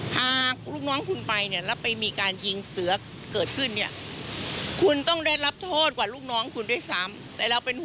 หากลูกน้องคุณไปเนี่ยแล้วไปมีการยิงเสือเกิดขึ้นเนี่ยคุณต้องได้รับโทษกว่าลูกน้องคุณด้วยซ้ำ